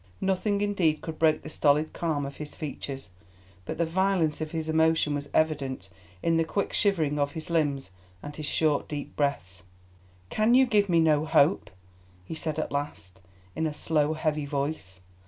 Nothing indeed could break the stolid calm of his features, but the violence of his emotion was evident in the quick shivering of his limbs and his short deep breaths. "Can you give me no hope?" he said at last in a slow heavy voice.